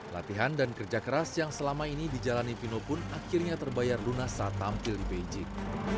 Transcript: latihan dan kerja keras yang selama ini dijalani pino pun akhirnya terbayar lunas saat tampil di beijik